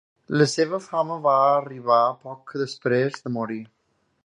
La seva fama va arribar poc després de morir.